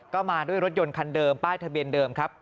ก็มาด้วยรถยนต์คันเดิมป้ายทะเบียนเดิมครับ